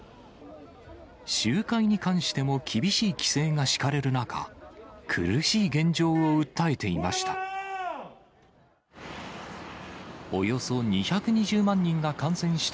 集会に関しても厳しい規制が敷かれる中、苦しい現状を訴えていました。